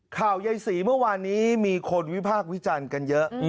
ยายศรีเมื่อวานนี้มีคนวิพากษ์วิจารณ์กันเยอะ